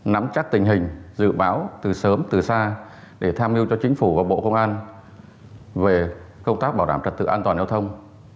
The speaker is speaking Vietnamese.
nắm chắc tình hình dự báo từ sớm từ xa để tham mưu cho chính phủ và bộ công an về công tác bảo đảm trật tự an toàn giao thông